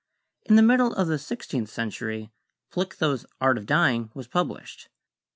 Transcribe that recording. In the middle of the sixteenth century, Plictho's "Art of Dyeing" was published.